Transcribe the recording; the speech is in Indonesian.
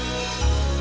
sampai jumpa di tv